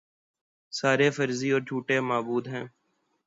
سارے فرضی اور جھوٹے معبود ہیں